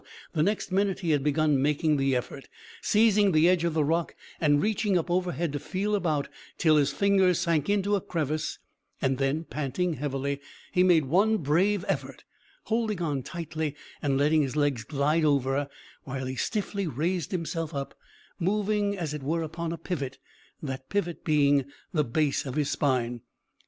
The next minute he had begun making the effort seizing the edge of the rock and reaching up overhead to feel about till his fingers sank into a crevice, and then, panting heavily, he made one brave effort, holding on tightly and letting his legs glide over, while he stiffly raised himself up, moving as it were upon a pivot, that pivot being the base of his spine.